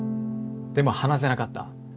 でも話せなかった。